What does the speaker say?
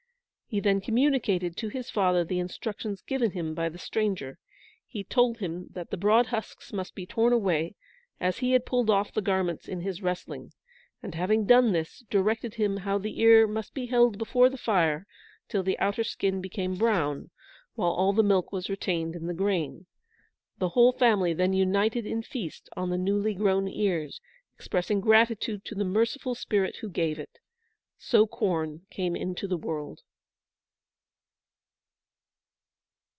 He then communicated to his father the instructions given him by the stranger. He told him that the broad husks must be torn away, as he had pulled off the garments in his wrestling; and having done this, directed him how the ear must be held before the fire till the outer skin became brown, while all the milk was retained in the grain. The whole family then united in feast on the newly grown ears, expressing gratitude to the Merciful Spirit who gave it. So corn came into the world.